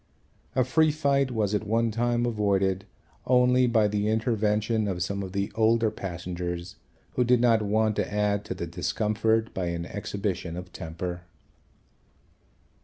A free fight was, at one time, avoided only by the intervention of some of the older passengers who did not want to add to the discomfort by an exhibition of temper.